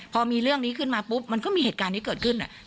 พอมีเรื่องนี้ขึ้นมาปุ๊บมันก็มีเหตุการณ์นี้เกิดขึ้น